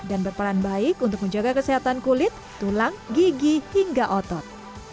dan berperan baik untuk menjaga kesehatan kulit tulang gigi hingga otot